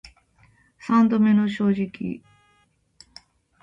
三度目の正直